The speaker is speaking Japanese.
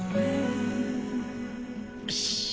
よし！